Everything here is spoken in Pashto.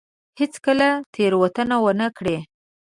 هېڅ کله تېروتنه ونه کړي.